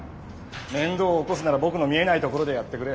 面倒を起こすなら僕の見えないところでやってくれ。